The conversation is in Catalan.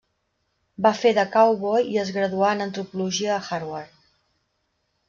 Va fer de cowboy i es graduà en antropologia a Harvard.